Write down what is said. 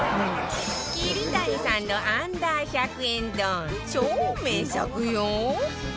桐谷さんの Ｕ−１００ 円丼超名作よ！